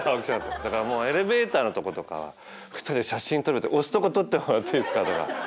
だからもうエレベーターのとことかは２人で写真撮るって押すとこ撮ってもらっていいですかとか。